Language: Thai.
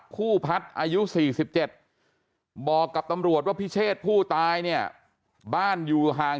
คู่พัฒน์อายุ๔๗บอกกับตำรวจว่าพิเชษผู้ตายเนี่ยบ้านอยู่ห่าง